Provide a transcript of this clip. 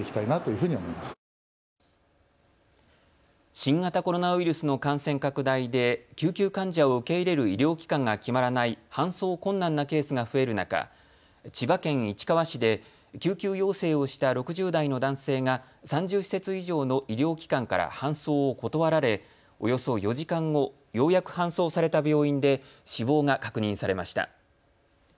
新型コロナウイルスの感染拡大で救急患者を受け入れる医療機関が決まらない搬送困難なケースが増える中千葉県市川市で救急要請をした６０代の男性が、３０施設以上の医療機関から搬送を断られおよそ４時間後ようやく搬送された病院で死亡が確認されました。